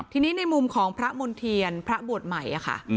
ทีนี้ในมุมของพระมณ์เทียนพระบวชใหม่ค่ะ